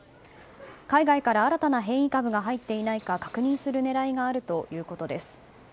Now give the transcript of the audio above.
海外から新たな変異株が入っていないか確認する狙いがあるということです。